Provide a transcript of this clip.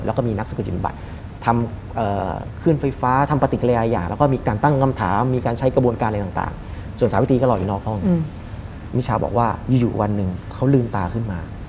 ส่วนสาวิตีก็รออยู่นอกห้องมิชาบอกว่าอยู่วันนึงเขาลืมตาขึ้นมา